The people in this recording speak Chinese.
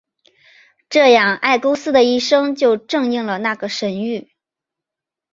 这样埃勾斯的一生就正应了那个神谕。